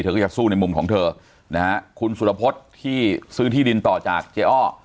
ก็จะสู้ในมุมของเธอนะฮะคุณสุรพฤษที่ซื้อที่ดินต่อจากเจ๊อ้อ